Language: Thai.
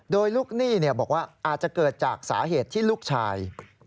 โดยลูกหนี้บอกว่าอาจจะเกิดจากสาเหตุที่ลูกชาย